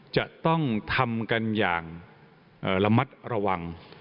จะต้องทำกันอย่างระมัดระวัง